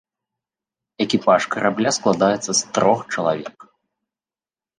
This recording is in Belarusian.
Экіпаж карабля складаецца з трох чалавек.